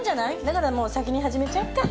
だからもう先に始めちゃおっか。